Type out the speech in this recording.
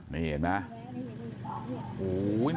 นี่เห็นไหม